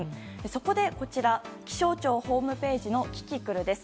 そこで、気象庁ホームページのキキクルです。